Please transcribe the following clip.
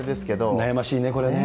悩ましいね、これね。